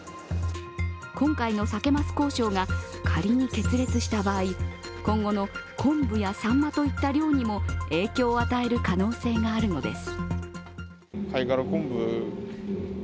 今回のさけ・ます交渉が仮に決裂した場合今後の昆布やさんまといった漁にも影響を与える可能性があるのです。